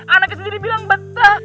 anaknya sendiri bilang betah